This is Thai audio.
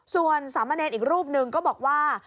ส่วนสามเมอร์เนอร์อีกรูปหนึ่งก็บอกว่า